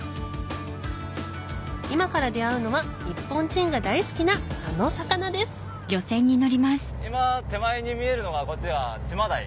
今から出合うのは日本人が大好きなあの魚ですあっ